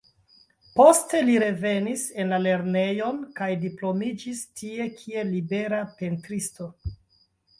Poste li revenis en la Lernejon kaj diplomiĝis tie kiel libera pentristo.